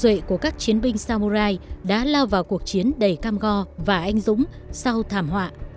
nhuệ của các chiến binh samurai đã lao vào cuộc chiến đầy cam go và anh dũng sau thảm họa